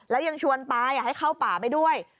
แล้วยังชวนปลายให้เข้าป่าไปด้วย